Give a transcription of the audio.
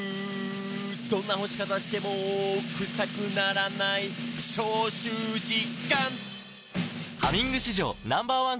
「どんな干し方してもクサくならない」「消臭実感！」